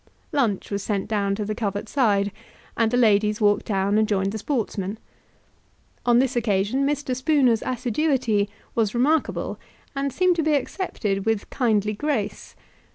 Lunch was sent down to the covert side, and the ladies walked down and joined the sportsmen. On this occasion Mr. Spooner's assiduity was remarkable, and seemed to be accepted with kindly grace.